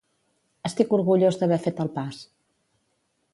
Estic orgullós d'haver fet el pas.